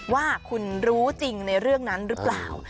ว่าคุณรู้จริงในเรื่องนั้นหรือเปล่า